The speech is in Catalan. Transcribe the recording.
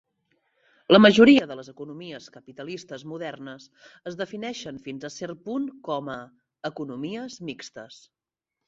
La majoria de les economies capitalistes modernes es defineixen fins a cert punt com a "economies mixtes".